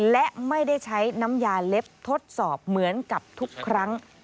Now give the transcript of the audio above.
และไม่ได้ใช้น้ำยาเล็บทดสอบเหมือนกับทุกครั้ง